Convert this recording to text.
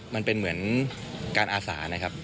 มันเป็นเหมือนการอาสานะครับ